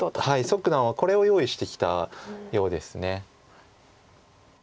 蘇九段はこれを用意してきたようです。